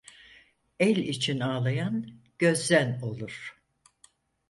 El için ağlayan gözden olur,.